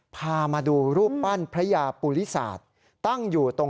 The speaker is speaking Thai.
พามาดูรูปปั้นพระยาปุริศาสตร์